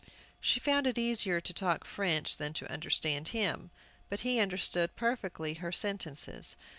She found it easier to talk French than to understand him. But he understood perfectly her sentences.